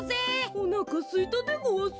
おなかすいたでごわす。